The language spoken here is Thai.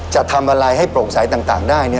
จะทำอะไรให้โปร่งสายต่างได้เนี่ย